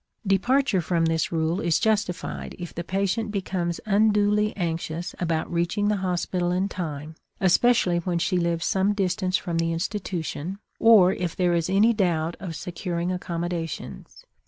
Departure from this rule is justified if the patient becomes unduly anxious about reaching the hospital in time, especially when she lives some distance from the institution, or if there is any doubt of securing accommodations.